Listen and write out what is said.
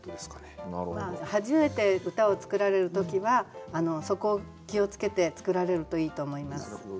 初めて歌を作られる時はそこを気を付けて作られるといいと思います。